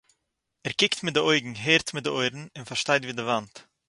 ער קוקט מיט די אויגן, הערט מיט די אויערן, און פֿאַרשטייט ווי די וואַנט.